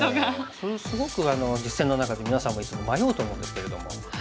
それすごく実戦の中で皆さんもいつも迷うと思うんですけれども。